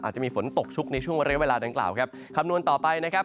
จะมีฝนตกชุกในช่วงเรียกเวลาดังกล่าวครับคำนวณต่อไปนะครับ